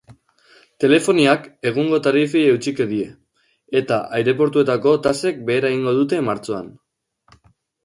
Telefoniak egungo tarifei eutsiko die, eta aireportuetako tasek behera egingo dute martxoan.